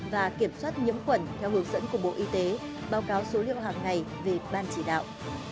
và kiểm soát nhiễm quẩn theo hướng dẫn của bộ y tế báo cáo số liệu hàng ngày về ban chỉ đạo